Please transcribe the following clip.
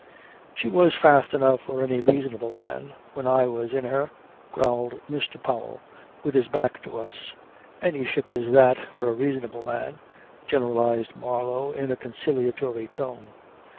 "She was fast enough for any reasonable man when I was in her," growled Mr. Powell with his back to us. "Any ship is that for a reasonable man," generalized Marlow in a conciliatory tone.